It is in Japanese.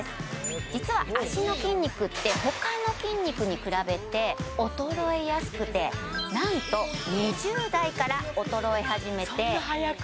実は脚の筋肉って他の筋肉に比べて衰えやすくて何と２０代から衰え始めてそんな早く？